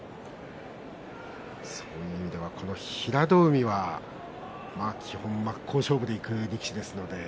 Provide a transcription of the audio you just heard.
そういう意味ではこの平戸海は真っ向勝負でいく力士です。